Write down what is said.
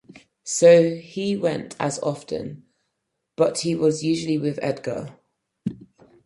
So he went as often, but he was usually with Edgar.